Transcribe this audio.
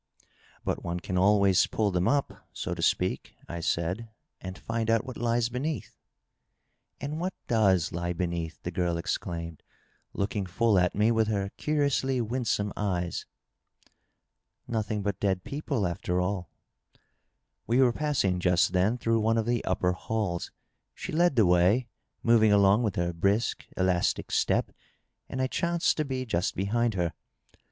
'^ But one can always pull them up, so to speak," I said, ^^ and find out what lies beneath," " And what doea lie beneath ?" the girl exclaimed, looking full at me with her curiously winsome eyes. " Nothing but dead people, afl«r all* We were passing, just then, through one of the upper halls. She led the way, moving along with her brisk, elastic step, and I chanced to be just behind her.